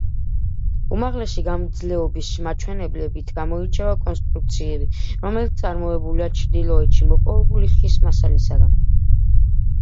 უმაღლესი გამძლეობის მაჩვენებლებით გამოირჩევა კონსტრუქციები, რომელიც წარმოებულია ჩრდილოეთში მოპოვებული ხის მასალისაგან.